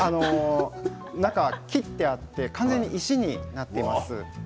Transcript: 切っていて完全に石になっています。